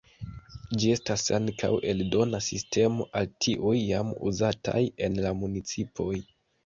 Ĝi estas ankaŭ aldona sistemo al tiuj jam uzataj en la municipoj.